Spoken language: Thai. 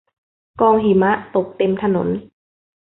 กองหิมะ ตกเต็มถนน